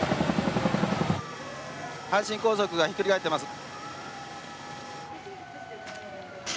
阪神高速がひっくり返ってます。